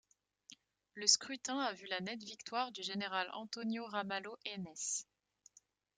Le scrutin a vu la nette victoire du général António Ramalho Eanes.